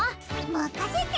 まかせて！